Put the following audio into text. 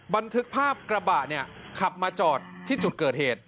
บันทึกภาพกระบะเนี่ยขับมาจอดที่จุดเกิดเหตุ